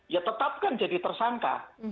ya tetapkan jadi tersangka